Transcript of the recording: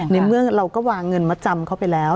ในเมื่อเราก็วางเงินมาจำเขาไปแล้ว